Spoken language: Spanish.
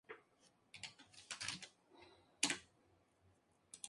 Esto fue el trampolín para su carrera discográfica.